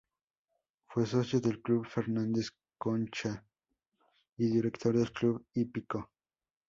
Fue Socio del Club Fernández Concha y Director del Club Hípico.